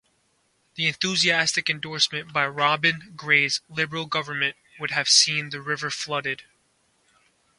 The enthusiastic endorsement by Robin Gray's Liberal Government would have seen the river flooded.